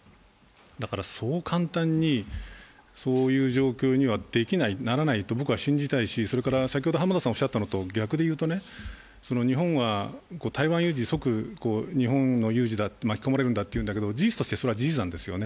だから、そう簡単に、そういう状況にはできない、ならないと僕は信じたいし、先ほどの浜田さんが言ったのと逆で言うと日本は台湾有事すなわち日本の有事、巻き込まれるんだと事実としてそれは事実なんですね。